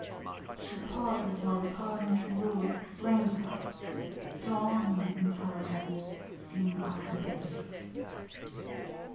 [She pauses while the parliamentary rule is explained to her. Dawning intelligence seen on her face.